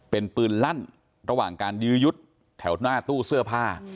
เป็นปืนลั่นระหว่างการยื้อยุดแถวหน้าตู้เสื้อผ้า